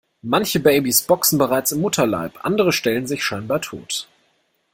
Manche Babys boxen bereits im Mutterleib, andere stellen sich scheinbar tot.